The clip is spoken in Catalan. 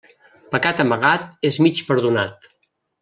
Pecat amagat és mig perdonat.